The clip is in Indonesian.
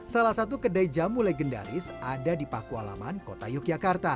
salah satu kedai jamu legendaris ada di paku alaman kota yogyakarta